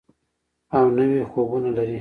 او نوي خوبونه لري.